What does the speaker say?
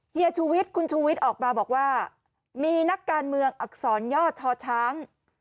เฮียชูวิทย์คุณชูวิทย์ออกมาบอกว่ามีนักการเมืองอักษรย่อชอช้าง